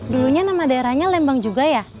dulunya nama daerahnya lembang juga ya